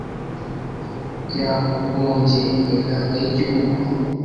yakugombye intanga y'igihugu